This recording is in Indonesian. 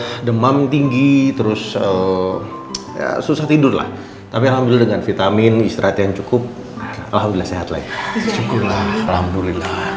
eh demam tinggi terus eh susah tidurlah tapiiderata dengan vitamin istirahat yang cukup allah sehari